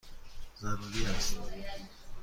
ضروری است!